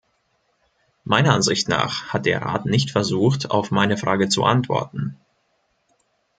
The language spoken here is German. Meiner Ansicht nach hat der Rat nicht versucht, auf meine Frage zu antworten.